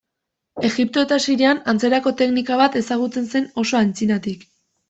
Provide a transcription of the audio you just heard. Egipto eta Sirian, antzerako teknika bat ezagutzen zen oso antzinatik.